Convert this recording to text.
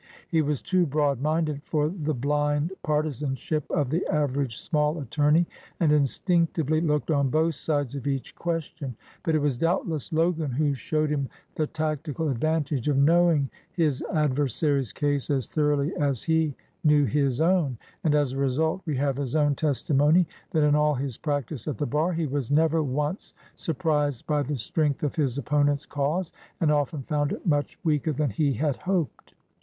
He was too broad minded for the blind partizanship of the average small attor ney, and instinctively looked on both sides of each question; but it was doubtless Logan who showed him the tactical advantage of knowing his adversary's case as thoroughly as he knew his own, and, as a result, we have his own testimony 120 A NOTABLE PARTNERSHIP that in all his practice at the bar he was never once surprised by the strength of his opponent's cause, and often found it much weaker than he had hoped.